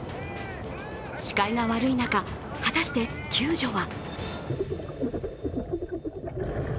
視界が悪い中、果たして救助は？